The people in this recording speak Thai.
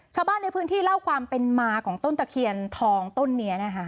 ชาวบ้านในพื้นที่เล่าความเป็นมาของต้นตะเคียนทองต้นนี้นะคะ